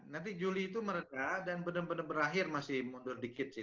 nanti juli itu meredah dan benar benar berakhir masih mundur dikit sih